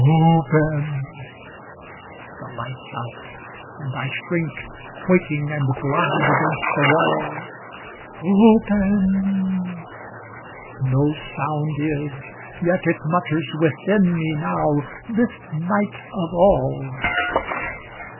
"Open!" The light's out, and I shrink Quaking and blind against the wall; "Open!" no sound is, yet it mutters Within me now, this night of all.